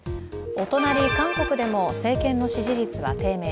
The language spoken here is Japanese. お隣、韓国でも政権の支持率は低迷。